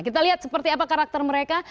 kita lihat seperti apa karakter mereka